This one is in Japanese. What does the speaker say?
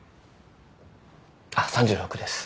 あっ３６です。